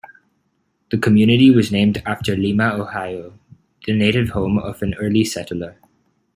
The community was named after Lima, Ohio, the native home of an early settler.